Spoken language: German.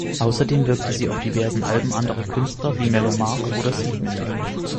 Außerdem wirkte sie auf diversen Alben anderer Künstler, wie Mellow Mark oder Seeed, mit.